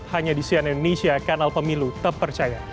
hanya di cnn indonesia kanal pemilu terpercaya